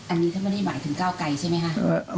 อันนี้ก็ไม่ได้หมายถึงเก้าไกรใช่ไหมคะ